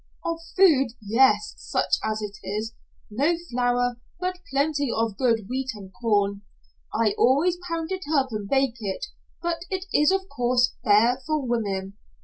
"Of food, yes. Such as it is. No flour, but plenty of good wheat and corn. I always pound it up and bake it, but it is coarse fare for women.